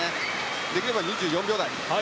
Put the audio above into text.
できれば２４秒台。